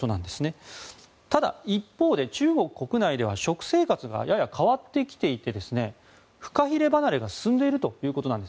ただ、一方で中国国内では食生活がやや変わってきていてフカヒレ離れが進んでいるということです。